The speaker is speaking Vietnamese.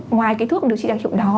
ngoài thuốc điều trị đặc hiệu đó